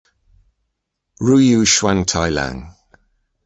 Ruyu Xuantailang.